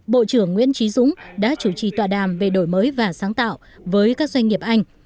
bộ trưởng nguyễn trí dũng đã chủ trì tọa đàm về đổi mới và sáng tạo với các doanh nghiệp anh